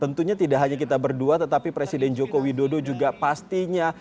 tentunya tidak hanya kita berdua tetapi presiden joko widodo juga pastinya